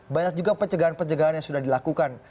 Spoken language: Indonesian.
banyak juga pencegahan pencegahan yang sudah dilakukan